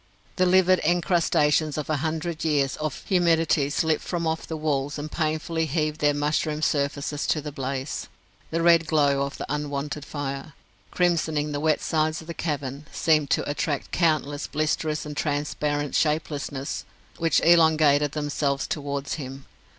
The livid encrustations of a hundred years of humidity slipped from off the walls and painfully heaved their mushroom surfaces to the blaze. The red glow of the unwonted fire, crimsoning the wet sides of the cavern, seemed to attract countless blisterous and transparent shapelessnesses, which elongated themselves towards him.